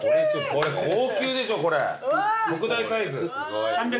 これ高級でしょ特大サイズ。